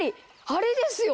あれですよ！